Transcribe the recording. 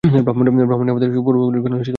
ব্রাহ্মণই আমাদের পূর্বপুরুষগণের আদর্শ ছিলেন।